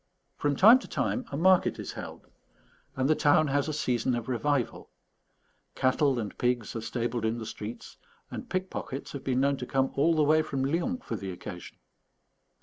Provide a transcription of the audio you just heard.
From time to time a market is held, and the town has a season of revival; cattle and pigs are stabled in the streets; and pickpockets have been known to come all the way from Lyons for the occasion.